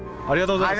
ありがとう！